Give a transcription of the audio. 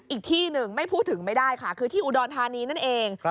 อีกที่หนึ่งไม่พูดถึงไม่ได้ค่ะคือที่อุดรธานีนั่นเอง